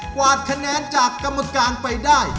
กวาดคะแนนจากกรรมการไปได้